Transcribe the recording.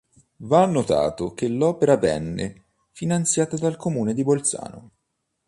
Va annotato che l'opera venne finanziata dal Comune di Bolzano.